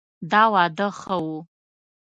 دا واده ښه ؤ